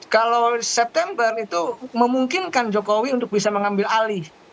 kalau september itu memungkinkan jokowi untuk bisa mengambil alih